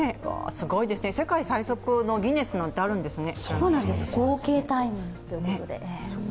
すごいですね、世界最速のギネスなんてあるんですね。